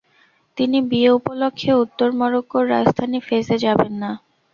তিনি বিয়ে উপলক্ষে উত্তর মরক্কোর রাজধানী ফেজ-এ যাবেন না।